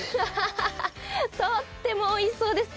とってもおいしそうです。